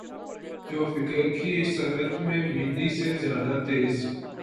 جو فکر کی سرعت میں بجلی سے زیادہ تیز